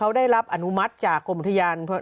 เขาได้รับอนุมัติจากกรมอุทยาน